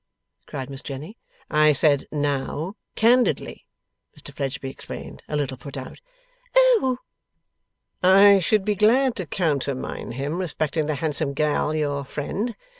cried Miss Jenny. 'I said, now candidly,' Mr Fledgeby explained, a little put out. 'Oh h!' 'I should be glad to countermine him, respecting the handsome gal, your friend.